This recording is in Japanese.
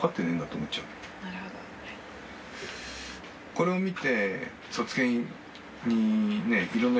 これを見て。